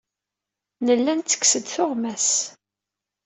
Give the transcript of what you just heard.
Nella nettekkes-d tuɣmas.